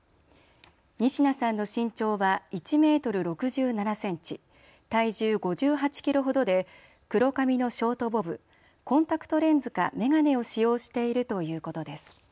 仁科さんの身長は１メートル６７センチ、体重５８キロほどで黒髪のショートボブ、コンタクトレンズか眼鏡を使用しているということです。